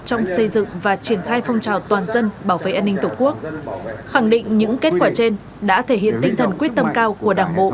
trong xây dựng và triển khai phong trào toàn dân bảo vệ an ninh tổ quốc khẳng định những kết quả trên đã thể hiện tinh thần quyết tâm cao của đảng bộ